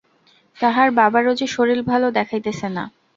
তাহার বাবারও যে শরীর ভালো দেখাইতেছে না।